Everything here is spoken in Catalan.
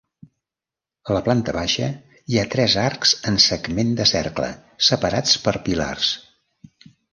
A la planta baixa hi ha tres arcs en segment de cercle separats per pilars.